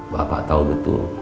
bapak tau betul